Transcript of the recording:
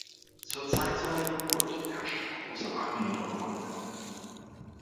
Zur Zeit seiner Geburt herrschte große Armut am Arlberg.